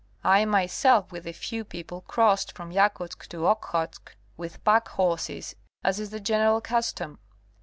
I myself with a few people crossed from Yakutsk to Okhotsk with pack horses, as is the general custom.